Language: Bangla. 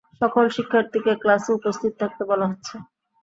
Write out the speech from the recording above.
সকল শিক্ষার্থীকে ক্লাসে উপস্থিত থাকতে বলা হচ্ছে।